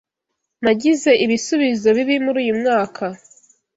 Nagize ibisubizo bibi muri uyu mwaka.